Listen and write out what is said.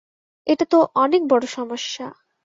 এটা তো অনেক বড় সমস্যা।